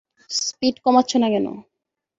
Speed কমাচ্ছ না কেন?